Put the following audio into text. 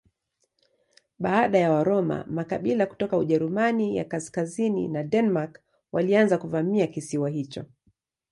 Baada ya Waroma makabila kutoka Ujerumani ya kaskazini na Denmark walianza kuvamia kisiwa hicho.